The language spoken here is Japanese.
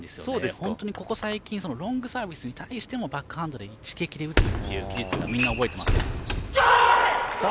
本当に、ここ最近ロングサービスに対してもバックハンドで一撃で打つという技術をみんな、覚えています。